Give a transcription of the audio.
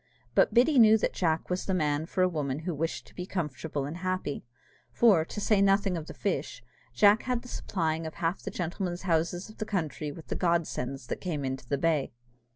But Biddy knew that Jack was the man for a woman who wished to be comfortable and happy; for, to say nothing of the fish, Jack had the supplying of half the gentlemen's houses of the country with the Godsends that came into the bay.